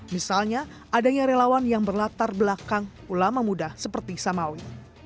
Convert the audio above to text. misalnya adanya relawan yang berlatar belakang ulama muda seperti samawi